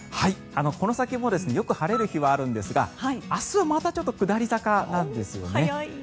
この先もよく晴れる日はあるんですが明日はまたちょっと下り坂なんですよね。